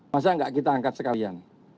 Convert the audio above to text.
masa nggak kita angkat sekalian